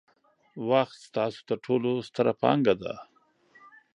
وخت ستاسو ترټولو ستره پانګه ده.